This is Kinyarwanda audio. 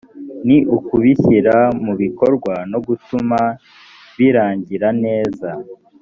ni ukubishyira mu bikorwa no gutuma birangira neza